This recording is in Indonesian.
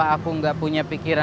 aku mau mengira